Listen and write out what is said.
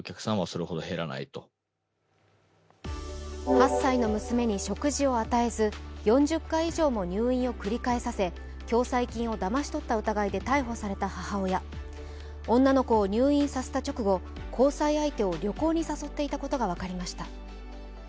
８歳の娘に食事を与えず４０回以上も入院を繰り返させ共済金をだまし取った疑いで逮捕された母親女の子を入院させた直後、交際相手を旅行に誘っていたことが分かりました。